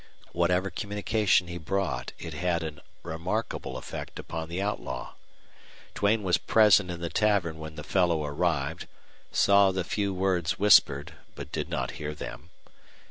Whatever communication he brought, it had a remarkable effect upon the outlaw. Duane was present in the tavern when the fellow arrived, saw the few words whispered, but did not hear them.